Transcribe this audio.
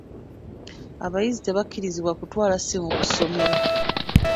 Abayizi tebakkirizibwa kutwala ssimu ku ssomero.